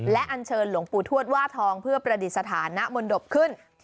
และอันเชิญหลวงปู่ทวดว่าทองเพื่อประดิษฐานะมนตบขึ้น